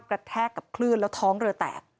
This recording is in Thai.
แทกกับคลื่นแล้วท้องเรือแตก